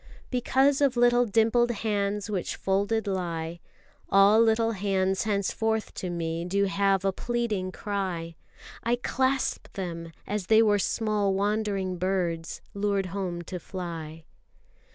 Because of little dimpled hands Which folded lie, All little hands henceforth to me do have A pleading cry. I clasp them, as they were small wandering birds, Lured home to fly.